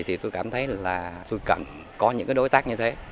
thì tôi cảm thấy là tôi cần có những đối tác như thế